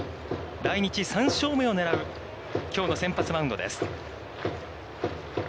来日３勝目を狙う、きょうの先発マウンドです。